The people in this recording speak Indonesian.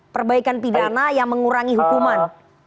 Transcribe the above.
perbaikan pidana yang mengurangi hukuman